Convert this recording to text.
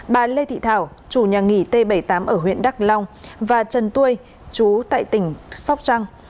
bà lê thị thảo chủ nhà nghỉ t bảy mươi tám ở huyện đắk long và trần tuê chú tại tỉnh sóc trăng